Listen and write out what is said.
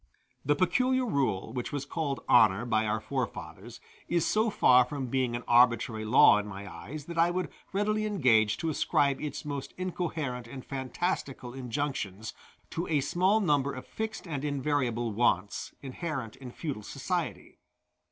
The peculiar rule, which was called honor by our forefathers, is so far from being an arbitrary law in my eyes, that I would readily engage to ascribe its most incoherent and fantastical injunctions to a small number of fixed and invariable wants inherent in feudal society.